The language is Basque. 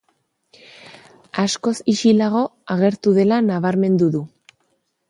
Askoz ixilago agertu dela nabarmendu du.